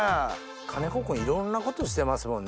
金子君いろんなことしてますもんね。